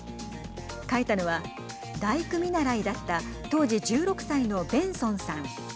書いたのは大工見習いだった当時１６歳のベンソンさん。